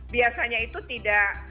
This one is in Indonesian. biasanya itu tidak